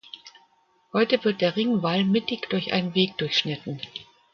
Heute wird der Ringwall mittig durch einen Weg durchschnitten.